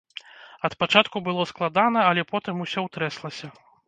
Ад пачатку было складана, але потым усё ўтрэслася.